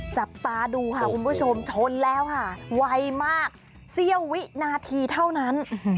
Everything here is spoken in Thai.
จับตาดูค่ะคุณผู้ชมชนแล้วค่ะไวมากเสี้ยววินาทีเท่านั้น